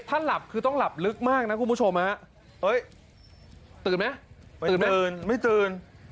ข้าลับคือต้องหลับลึกมากนะคุณผู้ชมตื่นไหมไม่ตื่น